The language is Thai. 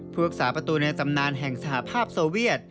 รักษาประตูในตำนานแห่งสหภาพโซเวียต